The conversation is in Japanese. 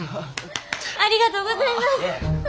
ありがとうございます！